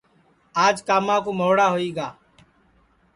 آج کاما کُو مھوڑا ہوئی گا